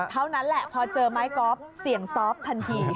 เท่านั้นแหละพอเจอไม้กอล์ฟเสี่ยงซอฟต์ทันที